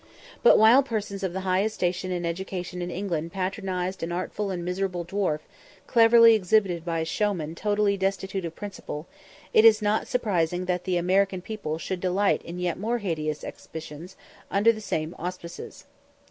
But while persons of the highest station and education in England patronised an artful and miserable dwarf, cleverly exhibited by a showman totally destitute of principle, it is not surprising that the American people should delight in yet more hideous exhibitions, under the same auspices.